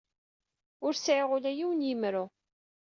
Ur sɛiɣ ula d yiwen n yemru.